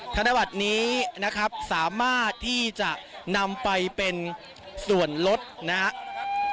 ธนบัตรนี้นะครับสามารถที่จะนำไปเป็นส่วนลดนะครับ